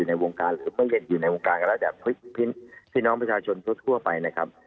อยู่ในวงการหรือเมื่อเย็นอยู่ในวงการระดับพี่น้องประชาชนทั่วไปนะครับ